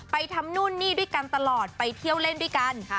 ทำนู่นนี่ด้วยกันตลอดไปเที่ยวเล่นด้วยกัน